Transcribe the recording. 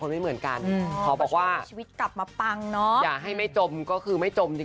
มันคลิกแต่